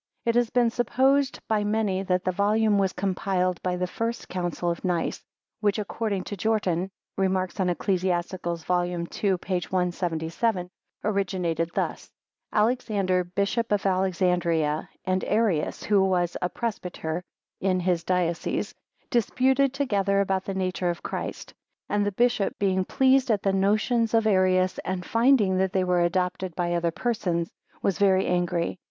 It has been supposed by many that the volume was compiled by the first Council of Nice, which, according to Jortin (Rem. on Eccl. vol. ii. p. 177), originated thus: Alexander, Bishop of Alexandria, and Arius, who was a presbyter in his diocese, disputed together about the nature of Christ; and the bishop being displeased at the notions of Arius, and finding that they were adopted by other persons, "was very angry."